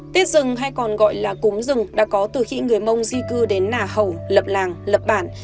tiết rừng hay còn gọi là cúm rừng đã có từ khi người mông di cư đến nà hầu lập làng lập bản